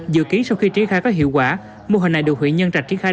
dự ký sau khi tri khai có hiệu quả mô hình này được huyện nhân rạch tri khai